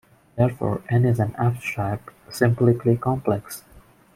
Therefore "N" is an abstract simplicial complex.